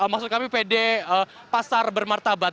maksud kami pd pasar bermartabat